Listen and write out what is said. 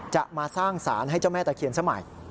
จะมาสร้างสารให้เจ้าแม่ตะเคียนสมัย